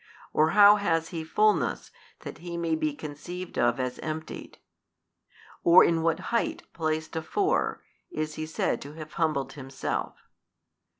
or how has he fulness that he may be conceived of as emptied? or in what height placed afore, is he said to have humbled himself?